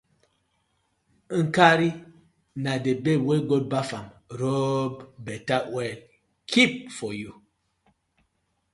Nkari na di babe wey God baf am rob betta oil keep for yu.